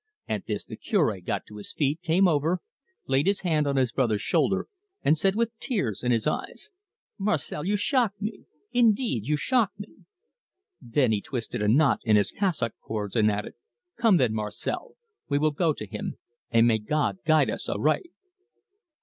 At this the Cure got to his feet, came over, laid his hand on his brother's shoulder, and said, with tears in his eyes: "Marcel, you shock me. Indeed you shock me!" Then he twisted a knot in his cassock cords, and added "Come then, Marcel. We will go to him. And may God guide us aright!"